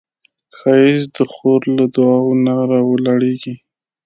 ښایست د خور له دعاوو نه راولاړیږي